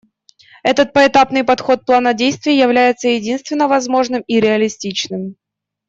Этот поэтапный подход плана действий является единственно возможным и реалистичным.